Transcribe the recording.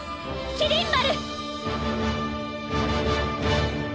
麒麟丸！